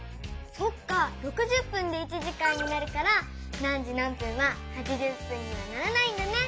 そっか６０分で１時間になるから何時何分は８０分にはならないんだね。